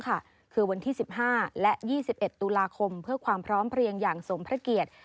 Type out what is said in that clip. คือวันที่๑๕และ๒๑ตุลาคมเพื่อความพร้อมเพลียงอย่างสมพระเกียรติ